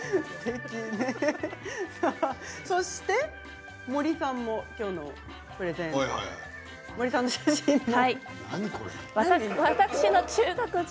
そして森さんもきょうのプレゼンは森さんですね。